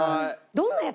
どんなやつ？